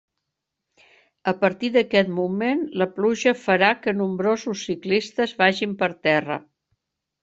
A partir d'aquest moment la pluja farà que nombrosos ciclistes vagin per terra.